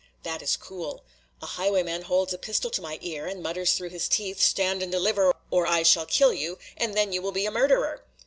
That is cool. A highwayman holds a pistol to my ear, and mutters through his teeth, "Stand and deliver, or I shall kill you, and then you will be a murderer!"